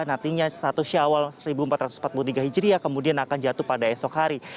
nantinya satu syawal seribu empat ratus empat puluh tiga hijriah kemudian akan jatuh pada esok hari